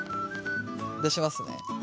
出しますね。